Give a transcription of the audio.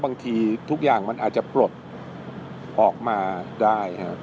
บางทีทุกอย่างมันอาจจะปลดออกมาได้ครับ